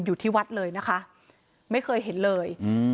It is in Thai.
อยู่ที่วัดเลยนะคะไม่เคยเห็นเลยอืม